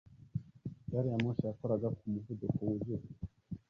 Gari ya moshi yakoraga ku muvuduko wuzuye